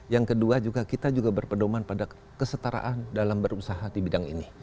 yang kedua juga kita juga berpedoman pada kesetaraan dalam berusaha di bidang ini